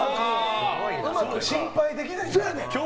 うまく心配できないんですね。